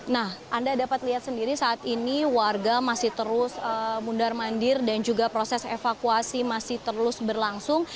nah anda dapat lihat sendiri saat ini warga masih terus mundar mandir dan juga proses evakuasi masih terus berlangsung